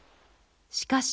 しかし。